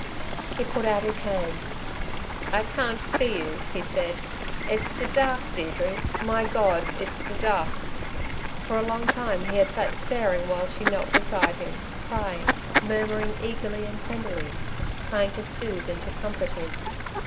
He put out his hands. "I can't see you," he said. "It's the dark, Deirdre! My God ... it's the dark." For a long time he had sat staring while she knelt beside him, crying, murmuring eagerly and tenderly, trying to soothe and to comfort him.